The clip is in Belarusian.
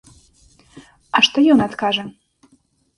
А што ён адкажа?